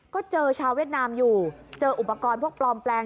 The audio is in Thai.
ก็เจอชาวเวียดนามอยู่เจออุปกรณ์พวกปลอมแปลง